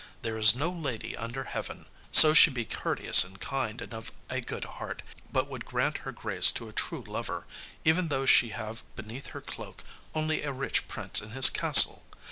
There is no lady under heaven so she be courteous and kind and of a good heart but would grant her grace to a true lover, even though she have beneath her cloak only a rich prince in his castle.